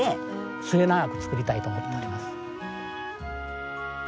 末永く作りたいと思っております。